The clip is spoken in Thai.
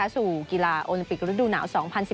สู่กีฬาโอลิมปิกฤดูหนาว๒๐๑๙